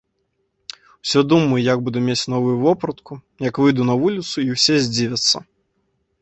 Усё думаю, як буду мець новую вопратку, як выйду на вуліцу і ўсе здзівяцца.